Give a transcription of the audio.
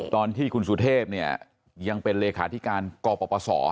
ตอนที่คุณสุเทพเนี่ยยังเป็นเลขาธิการกปศ